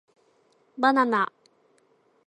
ばなな